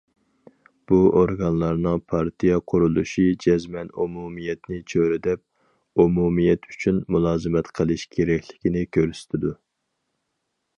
بۇ ئورگانلارنىڭ پارتىيە قۇرۇلۇشى جەزمەن ئومۇمىيەتنى چۆرىدەپ، ئومۇمىيەت ئۈچۈن مۇلازىمەت قىلىش كېرەكلىكىنى كۆرسىتىدۇ.